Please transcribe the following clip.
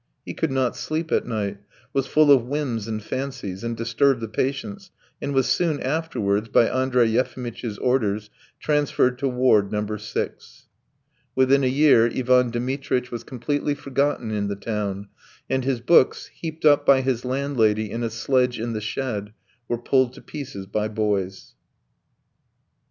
He could not sleep at night, was full of whims and fancies, and disturbed the patients, and was soon afterwards, by Andrey Yefimitch's orders, transferred to Ward No. 6. Within a year Ivan Dmitritch was completely forgotten in the town, and his books, heaped up by his landlady in a sledge in the shed, were pulled to pieces by boys.